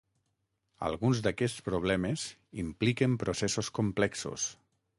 Alguns d'aquests problemes impliquen processos complexos.